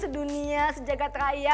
sedunia sejagat raya